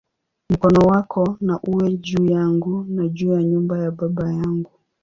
Mkono wako na uwe juu yangu, na juu ya nyumba ya baba yangu"!